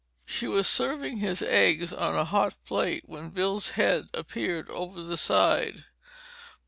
She was serving his eggs on a hot plate when Bill's head appeared over the side.